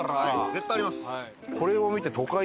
絶対あります。